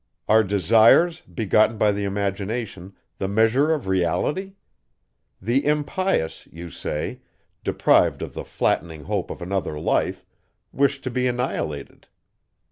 Are desires, begotten by the imagination, the measure of reality? The impious, you say, deprived of the flattering hope of another life, wish to be annihilated.